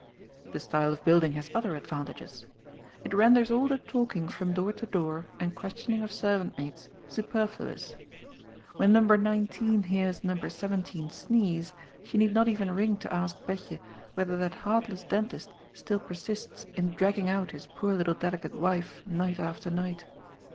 The style of building has other advantages. It renders all the talking from door to door and questioning of servant maids superfluous. When Number 19 hears Number 17 sneeze, she need not even ring to ask Betje whether that heartless dentist still persists in dragging out his poor little delicate wife night after night.